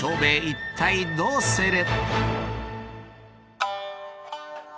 一体どうする？